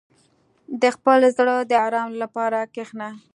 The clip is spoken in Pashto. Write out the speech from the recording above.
• د خپل زړه د آرام لپاره کښېنه.